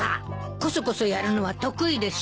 こそこそやるのは得意でしょ。